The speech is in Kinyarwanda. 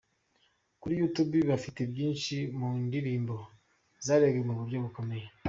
Kuri YouTube bafite nyinshi mu ndirimbo zarebwe mu bury bukomeye:.